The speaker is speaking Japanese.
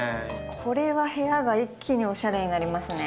これは部屋が一気におしゃれになりますね。